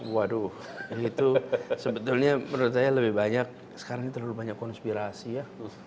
waduh yang itu sebetulnya menurut saya lebih banyak sekarang ini terlalu banyak konspirasi ya